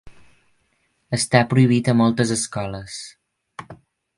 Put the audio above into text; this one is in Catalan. Està prohibit a moltes escoles.